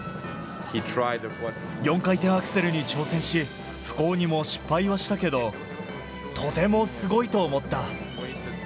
４回転アクセルに挑戦し、不幸にも失敗はしたけど、とてもすごいと思った。